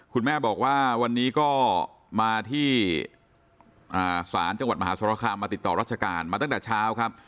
คุณแม่บอกว่าวันนี้ก็มาที่ศาลจังหวัดมหาสรคามมาติดต่อราชการมาตั้งแต่เช้าครับ